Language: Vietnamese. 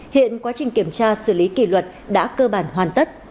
hiện quá trình kiểm tra xử lý kỷ luật đã cơ bản hoàn tất